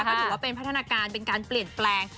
ก็ถือว่าเป็นพัฒนาการเป็นการเปลี่ยนแปลง